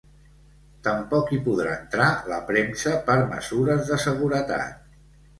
Tampoc hi podrà entrar la premsa per mesures de seguretat.